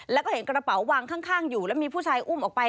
แล้วก็เห็นกระเป๋าวางข้างอยู่แล้วมีผู้ชายอุ้มออกไป